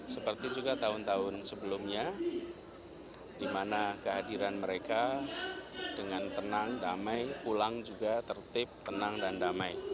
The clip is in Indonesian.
seperti juga tahun tahun sebelumnya di mana kehadiran mereka dengan tenang damai pulang juga tertib tenang dan damai